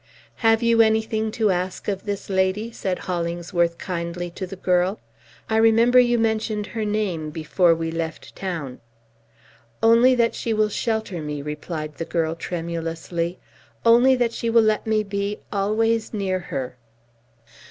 "Have you anything to ask of this lady?" said Hollingsworth kindly to the girl. "I remember you mentioned her name before we left town." "Only that she will shelter me," replied the girl tremulously. "Only that she will let me be always near her."